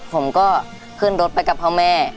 ผมก็ขึ้นรถไปกับพ่อแม่